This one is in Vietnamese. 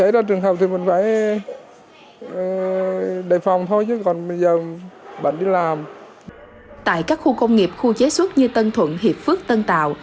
tại các khu công nghiệp khu chế xuất như tân thuận hiệp phước tân tạo